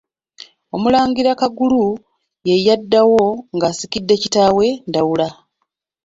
OMULANGIRA Kagulu ye yaddawo ng'asikidde kitaawe Ndawula.